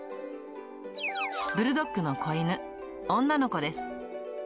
ブルドッグの子犬、女の子です。